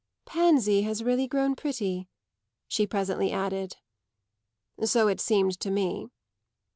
"Pansy has really grown pretty," she presently added. "So it seemed to me."